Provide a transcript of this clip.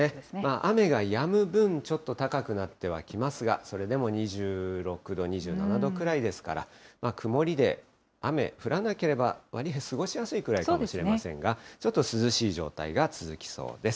雨がやむ分、ちょっと高くなってはきますが、それでも２６度、２７度くらいですから、曇りで、雨、降らなければ、わりあい、過ごしやすいかもしれませんが、ちょっと涼しい状態が続きそうです。